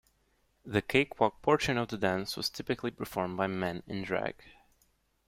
The cakewalk portion of the dance was typically performed by men in drag.